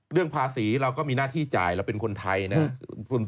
เรื่องภาษีเราก็มีหน้าที่จ่ายเราเป็นคนไทยนะครับ